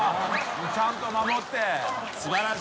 ちゃんと守って。